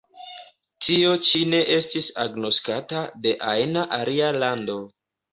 Tio ĉi ne estis agnoskata de ajna alia lando.